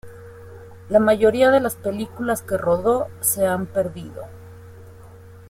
La mayoría de las películas que rodó se han perdido.